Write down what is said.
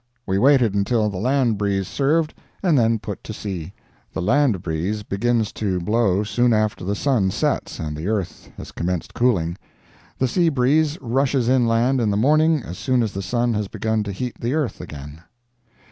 We waited until the land breeze served, and then put to sea. The land breeze begins to blow soon after the sun sets and the earth has commenced cooling; the sea breeze rushes inland in the morning as soon as the sun has begun to heat the earth again.